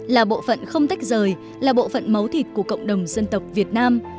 là bộ phận không tách rời là bộ phận máu thịt của cộng đồng dân tộc việt nam